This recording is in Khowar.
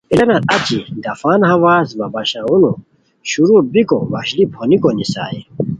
اعلانار اچی ڈفان ہواز وا باشونو شروع بیکو وشلی پھونیکو نیسائے